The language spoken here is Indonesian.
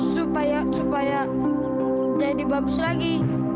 supaya jadi bagus lagi